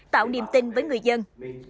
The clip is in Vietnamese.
tạo niềm tin với người dân